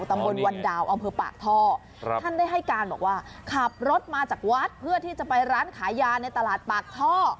ตำบลวันดาวอำเภอปากท่อครับท่านได้ให้การบอกว่าขับรถมาจากวัดเพื่อที่จะไปร้านขายยาในตลาดปากท่อ